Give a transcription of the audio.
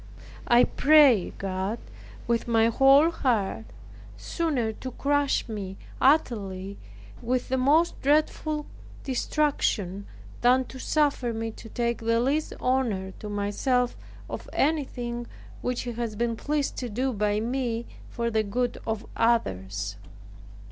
I pray God, with my whole heart, sooner to crush me utterly, with the most dreadful destruction, than to suffer me to take the least honor to myself, of anything which He has been pleased to do by me for the good of others.